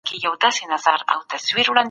د ارغنداب سیند د میوو کیفیت لوړ کړی دی.